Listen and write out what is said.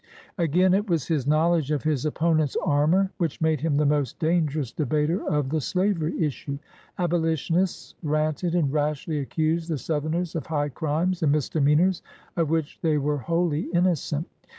Again, it was his knowledge of his opponent's armor which made him the most dangerous debater of the slavery issue. Abolitionists ranted and rashly accused the Southerners of high crimes and misdemeanors of which they were wholly innocent.